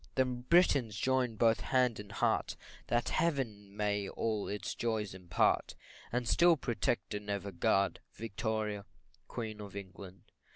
Then Britons join both hand and heart, That Heaven may all its joys impart, And still protect and ever guard Victoria, Queen of England.